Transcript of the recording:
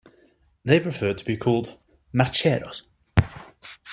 They prefer to be called "mercheros".